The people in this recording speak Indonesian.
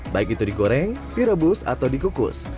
baik itu digoreng direbus atau dikukus